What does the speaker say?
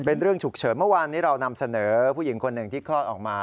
เป็นเรื่องฉุกเฉินเมื่อวานนี้เรานำเสนอผู้หญิงคนหนึ่งที่คลอดออกมา